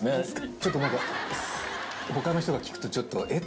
ちょっと何か他の人が聞くとえっ？